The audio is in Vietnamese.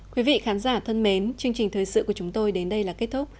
quý vị khán giả thân mến chương trình thời sự của chúng tôi đến đây là kết thúc